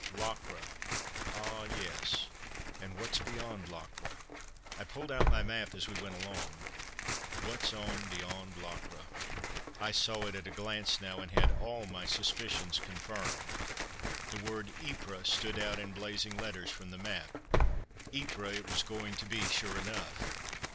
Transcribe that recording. "Locre? Ah, yes; and what's beyond Locre?" I pulled out my map as we went along. "What's on beyond Locre?" I saw it at a glance now, and had all my suspicions confirmed. The word YPRES stood out in blazing letters from the map. Ypres it was going to be, sure enough.